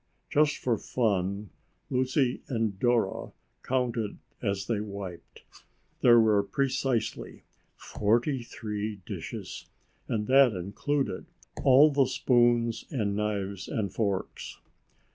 Just for fun, Lucy and Dora counted as they wiped. There were precisely forty three dishes, and that included all the spoons and knives and forks.